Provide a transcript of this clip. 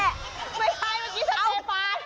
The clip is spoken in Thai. ไม่ใช่เมื่อกี้จะเป็นป่าน